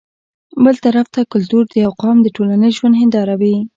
بل طرف ته کلتور د يو قام د ټولنيز ژوند هنداره وي